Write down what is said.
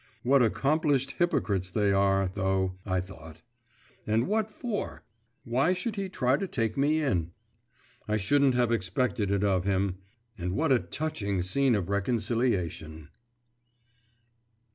What accomplished hypocrites they are, though, I thought. And what for? Why should he try to take me in? I shouldn't have expected it of him.… And what a touching scene of reconciliation!